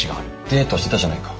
デートしてたじゃないか。